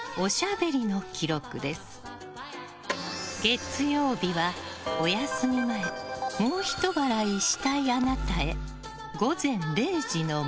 月曜日は、お休み前もうひと笑いしたいあなたへ。